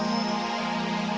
aku nggak tahu gimana caranya